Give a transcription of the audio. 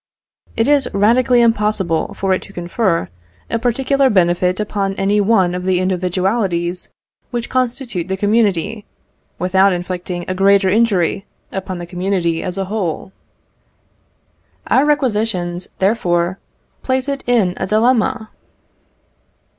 It is radically impossible for it to confer a particular benefit upon any one of the individualities which constitute the community, without inflicting a greater injury upon the community as a whole. Our requisitions, therefore, place it in a dilemma.